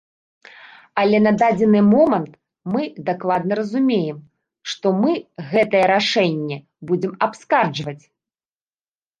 Але на дадзены момант мы дакладна разумеем, што мы гэтае рашэнне будзем абскарджваць.